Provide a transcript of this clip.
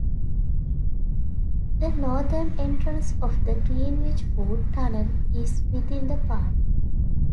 The northern entrance of the Greenwich foot tunnel is within the park.